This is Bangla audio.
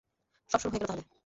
সব শুরু হয়ে গেল তাহলে।